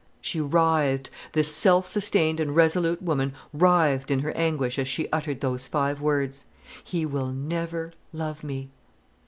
_" She writhed; this self sustained and resolute woman writhed in her anguish as she uttered those five words, "He will never love me!"